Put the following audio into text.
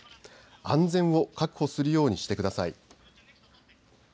安全を確保するようにしてください。